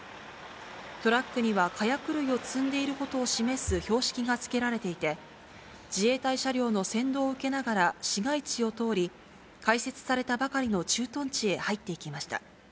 トラックには火薬類を積んでいることを示す標識が付けられていて、自衛隊車両の先導を受けながら市街地を通り、開設されたばかりの駐屯地へ入っていきました。